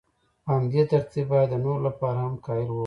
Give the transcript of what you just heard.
په همدې ترتیب باید د نورو لپاره هم قایل واوسم.